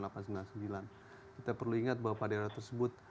kita perlu ingat bahwa pada daerah tersebut